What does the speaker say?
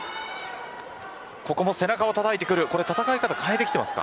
ここも背中をたたいています。